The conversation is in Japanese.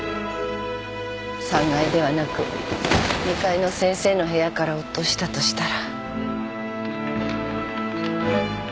３階ではなく２階の先生の部屋から落としたとしたら。